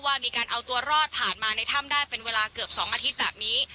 ว่ามีการเอาตัวรอดผ่านมาในถ้ำได้เป็นเวลาเกือบ๒อาทิตย์แบบนี้